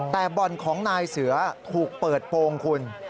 แต่บ่อนของนายเสือถูกเปิดโปรงคุณ